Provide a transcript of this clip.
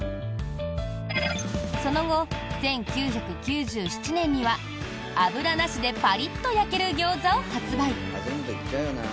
その後、１９９７年には油なしでパリッと焼けるギョーザを発売。